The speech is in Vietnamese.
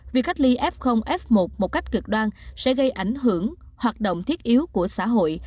việc cách ly f f một một cách cực đoan sẽ gây ảnh hưởng hoạt động thiết yếu của xã hội